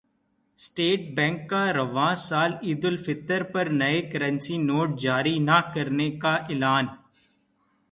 state bank کا رواں سال عیدالفطر پر نئے کرنسی نوٹ جاری نہ کرنے کا اعلان